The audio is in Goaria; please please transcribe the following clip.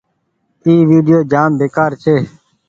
اي ويڊيو جآم بيڪآر ڇي۔